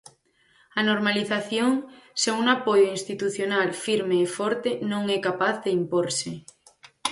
A normalización, sen un apoio institucional firme e forte, non é capaz de imporse.